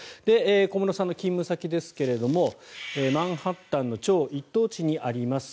小室さんの勤務先ですけれどもマンハッタンの超一等地にあります